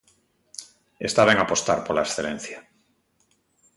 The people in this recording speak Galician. Está ben apostar pola excelencia.